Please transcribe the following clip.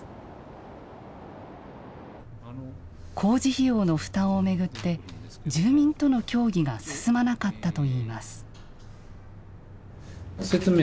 工事費用の負担を巡って住民との協議が進まなかったといいます。